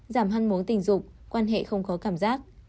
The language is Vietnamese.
giảm hăng mối tình dục quan hệ không có cảm giác